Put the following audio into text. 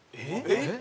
えっ！